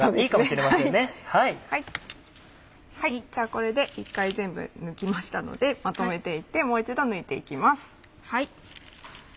これで一回全部抜きましたのでまとめていってもう一度抜いていきます。